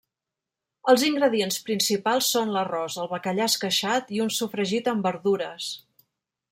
Els ingredients principals són l'arròs, el bacallà esqueixat i un sofregit amb verdures.